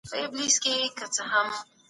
موږ تخنيکي تجهيزات په اسانۍ نه شو برابرولی.